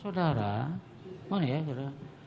saudara mana ya